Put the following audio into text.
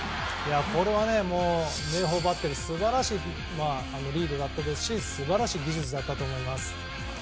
これは明豊バッテリー素晴らしいリードでしたし素晴らしい技術だったと思います。